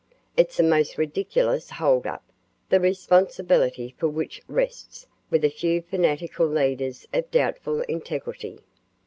It's a most ridiculous hold up, the responsibility for which rests with a few fanatical leaders of doubtful integrity."